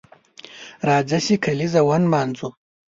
راځه چې کالیزه ونمانځو